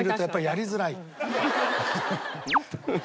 やりづらい。